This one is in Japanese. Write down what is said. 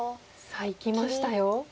さあいきましたよ。